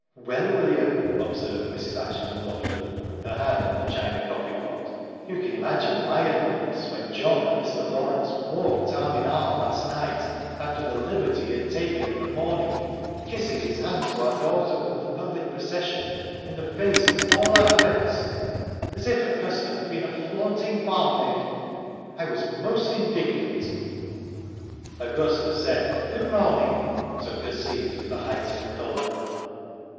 "Well, William," observed Mrs. Ashton loftily, her hand on the china coffee pot, "you can imagine my annoyance when John and Mr. Laurence walked in arm in arm last night, after the liberty he had taken in the morning — kissing his hand to our daughter from the public procession in the face of all our friends, as if Augusta had been a flaunting barmaid. I was most indignant!" Augusta said " Good morning," and took her seat with a heightened colour.